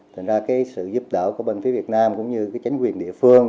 thành ra cái sự giúp đỡ của bên phía việt nam cũng như cái chánh quyền địa phương